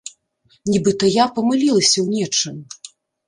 Нібыта я памылілася ў нечым.